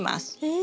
え。